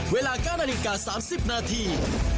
เวลาก้านศิลป์๓๐นาที